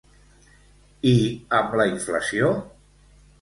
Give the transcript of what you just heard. I amb la inflació?